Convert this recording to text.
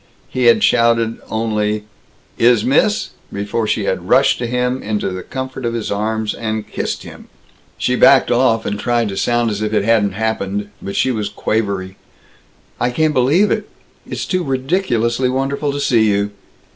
He had shouted only "Is Miss " before she had rushed to him, into the comfort of his arms, and kissed him. She backed off and tried to sound as if it hadn't happened, but she was quavery: "I can't believe it! It's too ridiculously wonderful to see you!"